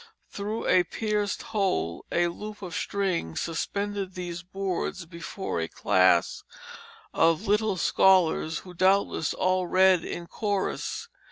Through a pierced hole a loop of string suspended these boards before a class of little scholars, who doubtless all read in chorus.